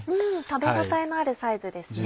食べ応えのあるサイズですね。